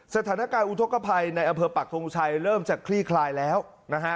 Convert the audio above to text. สถานการณ์อุทธกภัยในอำเภอปักทงชัยเริ่มจะคลี่คลายแล้วนะฮะ